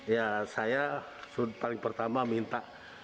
ya saya paling pertama minta